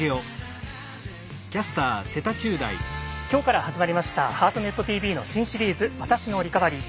今日から始まりました「ハートネットＴＶ」の新シリーズ「私のリカバリー」。